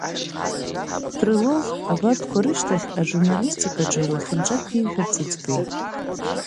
Крылов, абарҭқәа рышьҭахь ажурналастикаҿы илахьынҵа ԥишәарц иӡбеит.